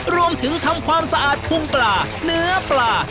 รวมถึงทำความสะอาดพุงปลาเนื้อปลา